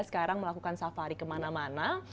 sekarang melakukan safari kemana mana